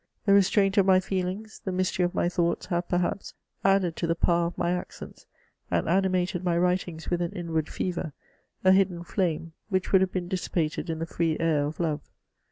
The restraint of my feelings, the mystery of my thoughts, have, perhaps, added to the power of my accents, and animated my writings with an inward fever^ a hidden flame, which would have been dissipated in the free air of love.